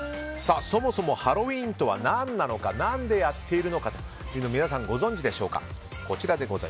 そもそもハロウィーンとは何なのか、何でやっているのか皆さん、ご存じでしょうか？